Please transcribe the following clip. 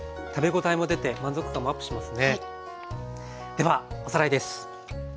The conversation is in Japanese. ではおさらいです。